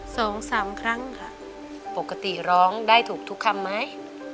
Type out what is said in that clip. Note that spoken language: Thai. สองสามครั้งค่ะปกติร้องได้ถูกทุกคำไหม